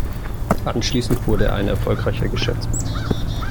Anschließend wurde er ein erfolgreicher Geschäftsmann.